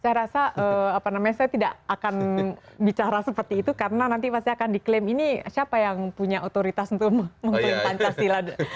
saya rasa saya tidak akan bicara seperti itu karena nanti pasti akan diklaim ini siapa yang punya otoritas untuk mengklaim pancasila